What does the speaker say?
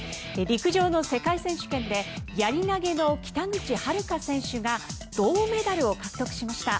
陸上の世界選手権でやり投の北口榛花選手が銅メダルを獲得しました。